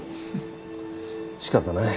仕方ない。